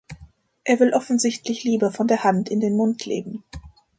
Er will offensichtlich lieber von der Hand in den M- und leben.